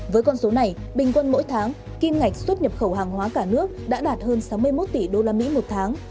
với con số này bình quân mỗi tháng kinh ngạch xuất nhập khẩu hàng hóa cả nước đã đạt hơn sáu mươi một tỷ đô la mỹ một tháng